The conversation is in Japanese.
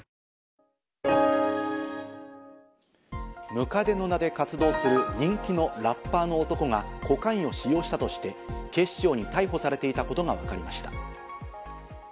百足の名で活動する人気のラッパーの男がコカインを使用したとして警視庁に逮捕されていたことがわかりました。